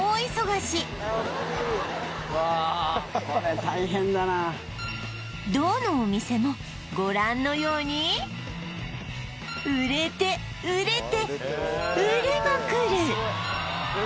これ大変だなどのお店もご覧のように売れて売れて売れまくる